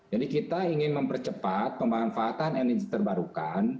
jadi kita ingin mempercepat pemanfaatan energi terbarukan